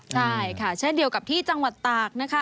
ใช่ค่ะเช่นเดียวกับที่จังหวัดตากนะคะ